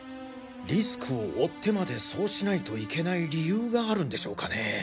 リスクを負ってまでそうしないといけない理由があるんでしょうかね。